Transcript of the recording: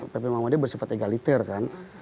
pp muhammadiya bersifat egaliter kan